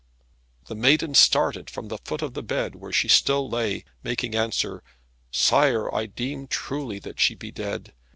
The maiden started from the foot of the bed where she still lay, making answer, "Sir, I deem truly that she be dead.